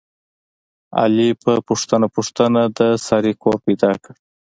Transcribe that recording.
علي په پوښته پوښتنه د سارې کور پیدا کړ.